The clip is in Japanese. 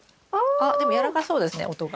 あっでも軟らかそうですね音が。